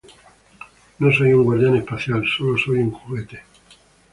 No soy un guardián espacial. Sólo soy un juguete.